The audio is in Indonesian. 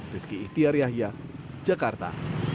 rizky itiar yahya jakarta